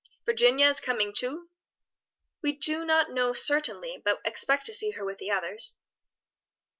"Virginia is coming too?" "We do not know certainly, but expect to see her with the others."